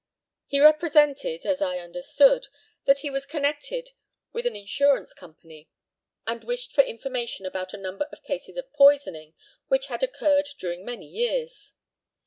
He represented, as I understood, that he was connected with an insurance company, and wished for information about a number of cases of poisoning which had occurred during many years.